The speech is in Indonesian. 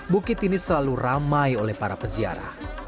bukit ini selalu ramai oleh para peziarah